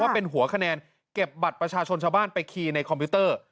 เป็นหัวคะแนนเก็บบัตรประชาชนชาวบ้านไปคีย์ในคอมพิวเตอร์